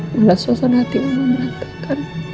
malah suasana hati mama melantarkan